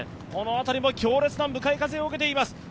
この辺りも強烈な向かい風を受けています。